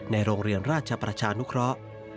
ในโรงเรียนราชประชานุเคราะห์